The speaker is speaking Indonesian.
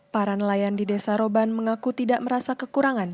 para nelayan di desa roban mengaku tidak merasa kekurangan